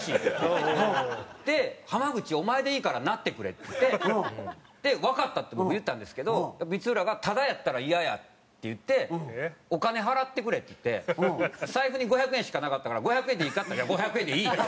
で「濱口お前でいいからなってくれ」っつって「わかった」って僕言ったんですけど光浦が「タダやったらイヤや」って言って「お金払ってくれ」って言って財布に５００円しかなかったから「５００円でいいか？」って言ったら。